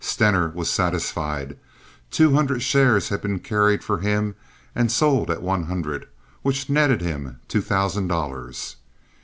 Stener was satisfied. Two hundred shares had been carried for him and sold at one hundred, which netted him two thousand dollars.